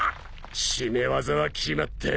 締め技は決まった。